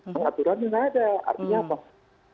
pengaturannya tidak ada artinya apa